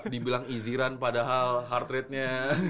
dibilang iziran padahal heart rate nya